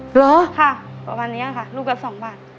เหรอค่ะประมาณนี้ค่ะลูกละ๒บาท